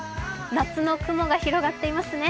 夏の雲が広がっていますね。